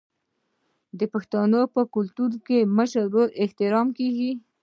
د پښتنو په کلتور کې د مشر ورور احترام کیږي.